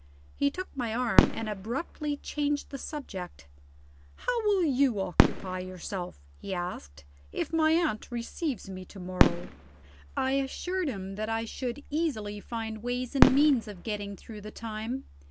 He took my arm and abruptly changed the subject. "How will you occupy yourself," he asked, "if my aunt receives me to morrow?" I assured him that I should easily find ways and means of getting through the time.